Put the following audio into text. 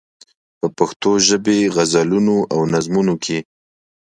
په پښتو ژبې غزلونو او نظمونو کې.